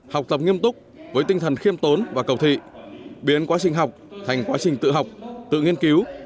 học tập nghiêm túc với tinh thần khiêm tốn và cầu thị biến quá trình học thành quá trình tự học tự nghiên cứu